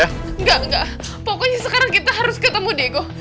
enggak enggak pokoknya sekarang kita harus ketemu diego